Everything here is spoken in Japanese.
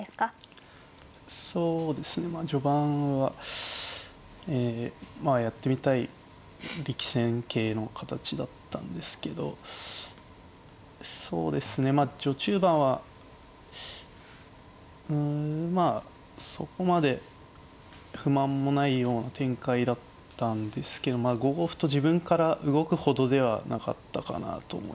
そうですねまあ序盤はえまあやってみたい力戦形の形だったんですけどそうですね序中盤はうんまあそこまで不満もないような展開だったんですけど５五歩と自分から動くほどではなかったかなと思います。